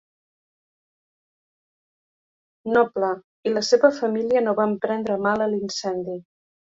Noble i la seva família no van prendre mal a l'incendi.